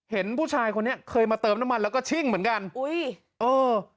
เห็นผู้ชายคนนี้เคยมาเติมน้ำมันแล้วก็ชิ่งเหมือนกันอุ้ยเออ